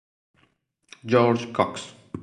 George Cox